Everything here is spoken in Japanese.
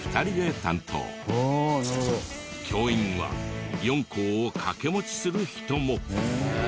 教員は４校を掛け持ちする人も。